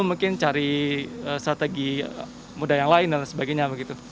mungkin cari strategi muda yang lain dan sebagainya begitu